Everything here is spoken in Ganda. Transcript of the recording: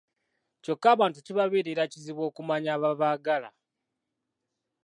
Kyokka abantu kibabeerera kizibu okumanya ababaagala!